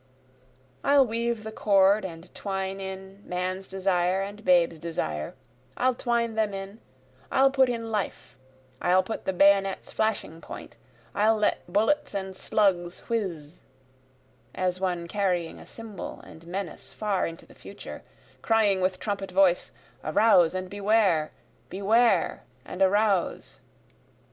I'll weave the chord and twine in, Man's desire and babe's desire, I'll twine them in, I'll put in life, I'll put the bayonet's flashing point, I'll let bullets and slugs whizz, (As one carrying a symbol and menace far into the future, Crying with trumpet voice, Arouse and beware! Beware and arouse!)